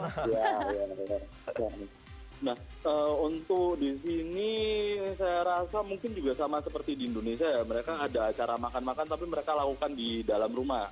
nah untuk di sini saya rasa mungkin juga sama seperti di indonesia ya mereka ada acara makan makan tapi mereka lakukan di dalam rumah